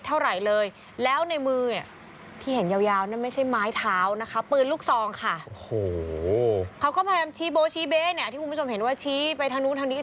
เขาก็พาเล็งว่าชี้โบชี้เบ้เนี่ยที่คุณผู้ชมเห็นว่าชี้ไปทางนู้นทางนี้